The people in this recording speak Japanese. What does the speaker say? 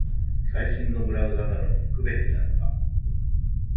最新のブラウザなのに不便になった